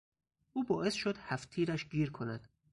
او باعث شد هفت تیرش گیر کند.